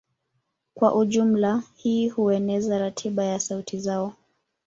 Kwa ujumla hii hueneza ratiba ya sauti zao